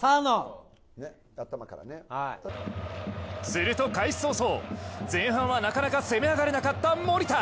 すると開始早々、前半はなかなか攻め上がれなかった守田。